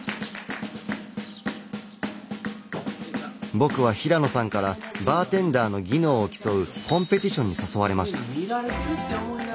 僕は平野さんからバーテンダーの技能を競うコンペティションに誘われました。